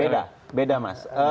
beda beda mas